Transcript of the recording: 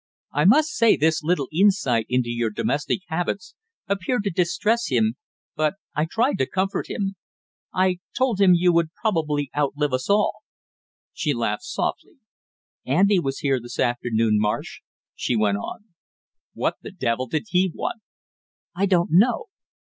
I must say this little insight into your domestic habits appeared to distress him, but I tried to comfort him, I told him you would probably outlive us all." She laughed softly. "Andy was here this afternoon, Marsh," she went on. "What the devil did he want?" "I don't know."